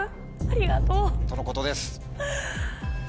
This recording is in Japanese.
ありがとう。とのことです。